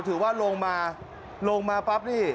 ถือว่าลงมาลงมาปั๊บนี่